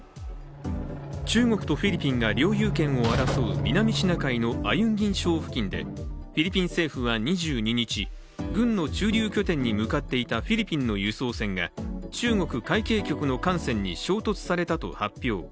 中国とフィリピンが領有権を争う南シナ海のアユンギン礁付近でフィリピン政府は２２日、軍の駐留拠点に向かっていたフィリピンの輸送船が中国海警局の艦船に衝突されたと発表。